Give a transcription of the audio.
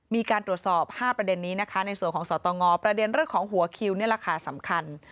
มีการตรวจสอบ๕ประเด็นนี้นะคะในส่วนของสตงประเด็นเรื่องของหัวคิวนี่แหละค่ะสำคัญ